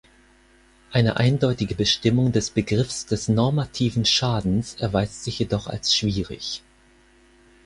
Eine eindeutige Bestimmung des Begriffs des normativen Schadens erweist sich jedoch als schwierig.